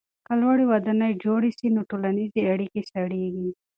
که لوړې ودانۍ جوړې سي نو ټولنیزې اړیکې سړېږي.